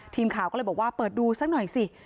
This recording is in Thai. ทีมข่าวก็เลยบอกว่าเปิดดูสักหน่อยสิ